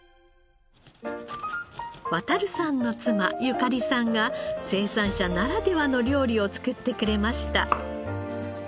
航さんの妻由香里さんが生産者ならではの料理を作ってくれました。